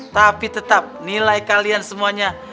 tapi tetap nilai kalian semuanya